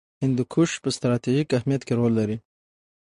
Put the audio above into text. هندوکش په ستراتیژیک اهمیت کې رول لري.